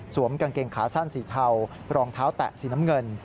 กางเกงขาสั้นสีเทารองเท้าแตะสีน้ำเงิน